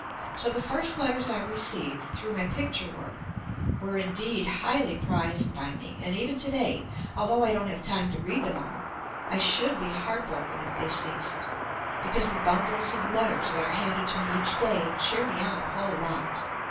So the first letters I received through my picture work were indeed highly prized by me, and even to day, although I don't have time to read them all, I should be heart broken if they ceased, be cause the bundles of letters that are handed to me each day cheer me on a whole lot.